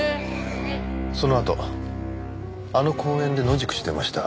そのあとあの公園で野宿してました。